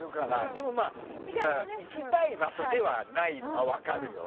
でも、行きたい場所ではないのは分かるよ。